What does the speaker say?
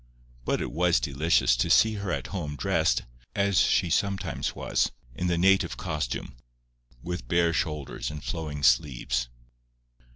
But it was delicious to see her at home dressed, as she sometimes was, in the native costume, with bare shoulders and flowing sleeves.